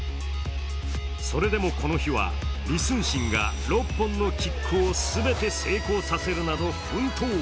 それでもこの日は李承信が６本のキックを全て成功させるなど奮闘。